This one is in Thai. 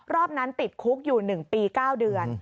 รอบนั้นติดคุกอยู่๑ปี๙เดือน